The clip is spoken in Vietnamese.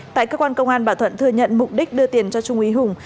tại cơ quan công an bà thuận thừa nhận mục đích đưa tiền cho trung úy hùng